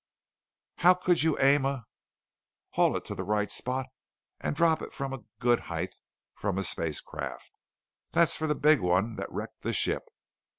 "How could you aim a " "Haul it to the right spot and drop it from a good height from a spacecraft. That's for the big one that wrecked the ship.